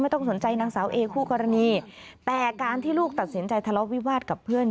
ต้องสนใจนางสาวเอคู่กรณีแต่การที่ลูกตัดสินใจทะเลาะวิวาสกับเพื่อน